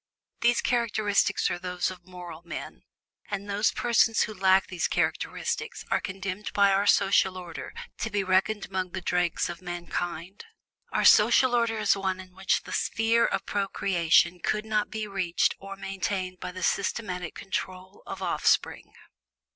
These characteristics are those of moral men, and those persons who lack these characteristics are condemned by our social order to be reckoned among the dregs of mankind. Our social order is one in which the sphere of procreation could not be reached or maintained by the systematic control of offspring.